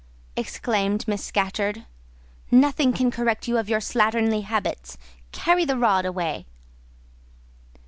exclaimed Miss Scatcherd; "nothing can correct you of your slatternly habits: carry the rod away."